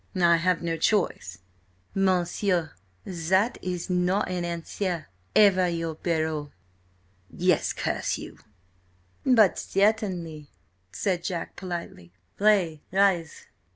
"I have no choice." "Monsieur, that is not an answer. Have I your parole?" "Yes, curse you!" "But certainly," said Jack politely. "Pray rise."